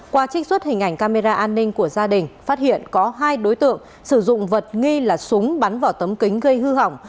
qua trích xuất hình ảnh camera an ninh của gia đình phát hiện có hai đối tượng sử dụng vật nghi là súng bắn vào tấm kính gây hư hỏng